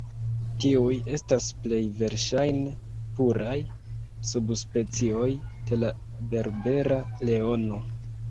Tiuj estas plej verŝajne puraj subspecioj de la berbera leono.